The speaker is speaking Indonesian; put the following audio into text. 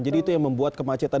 jadi itu yang membuat kemacetan